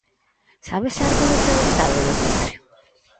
Sábese algo do seu estado, Demetrio?